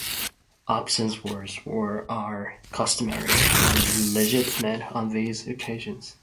Obscene words are customary and legitimate on these occasions.